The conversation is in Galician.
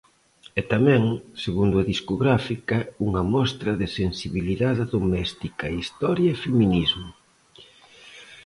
E tamén, segundo a discográfica, "unha mostra de sensibilidade doméstica, historia e feminismo".